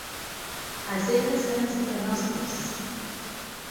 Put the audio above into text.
Els centres seran sempre nostres!